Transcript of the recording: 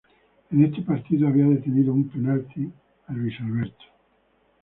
En ese partido, había detenido un penalti a Luis Alberto.